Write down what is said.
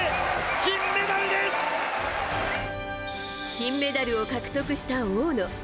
金メダルを獲得した大野。